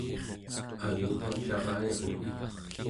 alingua carayagnek